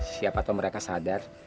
siapa tau mereka sadar